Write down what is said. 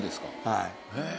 はい。